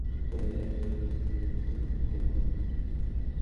তবে যাঁদের রক্তে চিনির পরিমাণ বেশি, তাঁদের খেজুর খেতে খানিকটা বিধিনিষেধ আছে।